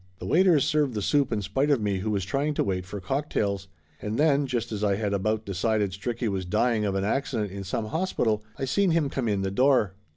The waiters served the soup in spite of me who was trying to wait for cocktails, and then, just as I had about decided Stricky was dy ing of an accident in some hospital, I seen him come in the door.